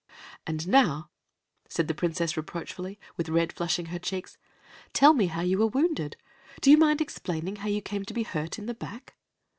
"And now," said the Princess reproachfully, with red flushing her cheeks, "tell me how you were wounded. Do you mind explaining how you came to be hurt in the back?"